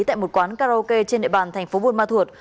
tại một quán karaoke trên địa bàn tp buôn ma thuột